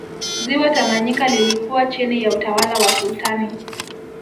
Ziwa tanganyika lilikuwa chini ya utawala wa sultani